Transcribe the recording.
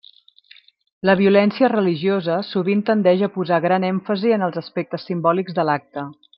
La violència religiosa sovint tendeix a posar gran èmfasi en els aspectes simbòlics de l'acte.